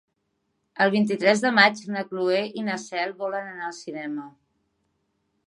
El vint-i-tres de maig na Cloè i na Cel volen anar al cinema.